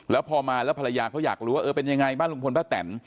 แล้วพอมาแล้วภรรยาเขาอยากรู้ว่าเออเป็นยังไงบ้านลุงพลป้าแตน